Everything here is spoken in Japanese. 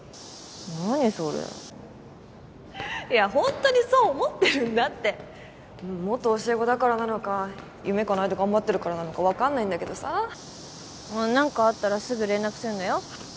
何それいやホントにそう思ってるんだって元教え子だからなのか夢かなえて頑張ってるからなのか分かんないんだけどさ何かあったらすぐ連絡するんだよ